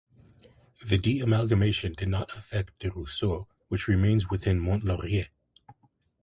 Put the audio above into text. The deamalgamation did not affect Des Ruisseaux, which remains within Mont-Laurier.